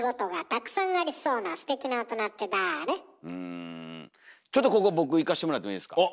うんちょっとここ僕いかしてもらってもいいですか。